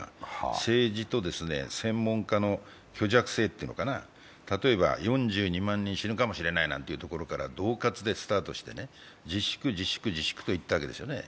政治と専門家の虚弱性というのかな、例えば４２万人が死ぬかもしれないというところからどう喝でスタートして自粛自粛といったわけですよね。